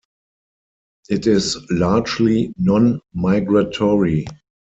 It is largely non-migratory.